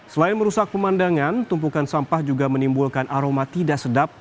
selain merusak pemandangan tumpukan sampah juga menimbulkan aroma tidak sedap